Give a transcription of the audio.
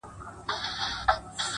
• پسله كلونه چي جانان تـه ورځـي؛